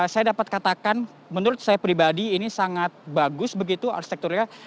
saya dapat katakan menurut saya pribadi ini sangat bagus begitu arsitekturnya